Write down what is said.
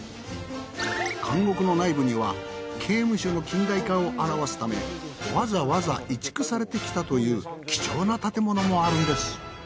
監獄の内部には刑務所の近代化を表すためわざわざ移築されてきたという貴重な建物もあるんです。